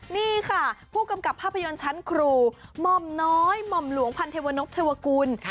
นี่ค่ะผู้กำกับภาพยนตร์ชั้นครูหม่อมน้อยหม่อมหลวงพันเทวนกเทวกุล